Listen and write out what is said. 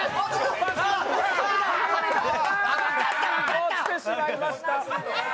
落ちてしまいました。